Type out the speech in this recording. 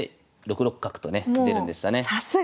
６六角とね出るんでしたね。